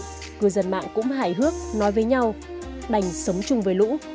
người dân mạng cũng hài hước nói với nhau đành sống chung với lũ